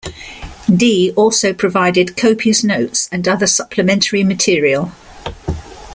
Dee also provided copious notes and other supplementary material.